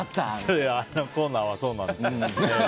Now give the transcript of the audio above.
あのコーナーはそうなんですよ。